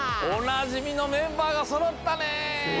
おなじみのメンバーがそろったね！